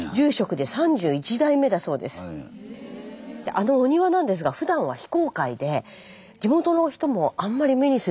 あのお庭なんですがふだんは非公開で地元の人もあんまり目にする機会はないんだそうです。